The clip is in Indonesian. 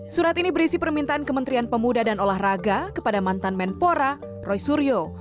surat ini berisi permintaan kementerian pemuda dan olahraga kepada mantan menpora roy suryo